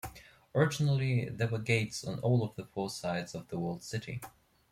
Originally, there were gates on all of the four sides of the walled city.